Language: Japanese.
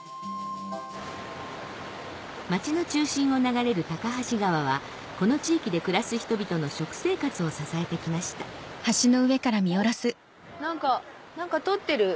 町の中心を流れる高梁川はこの地域で暮らす人々の食生活を支えてきましたおっ何か何か取ってる。